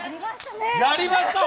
やりましたね！